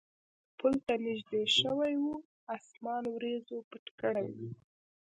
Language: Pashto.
پل ته نږدې شوي و، اسمان وریځو پټ کړی و.